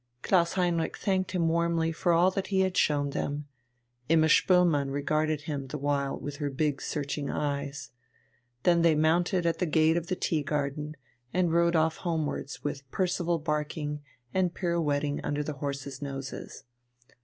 Klaus Heinrich thanked him warmly for all that he had shown them, Imma Spoelmann regarding him the while with her big, searching eyes. Then they mounted at the gate of the tea garden and rode off homewards with Percival barking and pirouetting under the horses' noses.